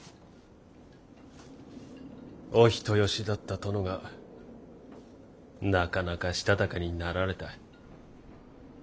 お人よしだった殿がなかなかしたたかになられた。